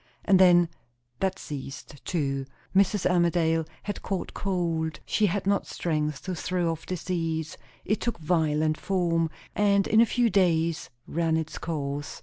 And then, that ceased too. Mrs. Armadale had caught cold, she had not strength to throw off disease; it took violent form, and in a few days ran its course.